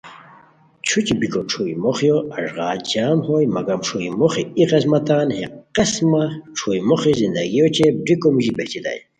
چھوچی بیکو چھوئی موخیو اݱغال جم ہوئے مگم چھوئی موخی ای قسمہ تان ہے قسمہ چھوئی موخی زندگی اوچے بریکو موژی بہچیتائے